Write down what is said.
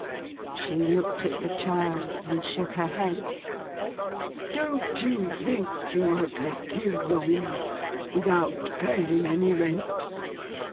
She looked at the child, and shook her head. 'Don't you think you have lived here long enough without paying any rent?